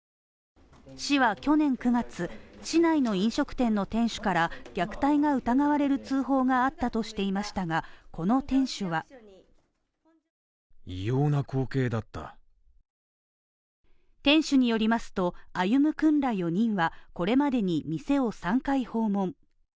市は去年９月、市内の飲食店の店主から虐待が疑われる通報があったとしていましたがこの店主は店主によりますと、歩夢君ら４人はこれまでに店を３回訪問。